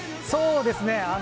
そうですね。